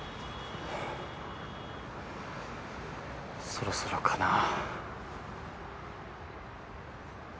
そろそろかなぁ？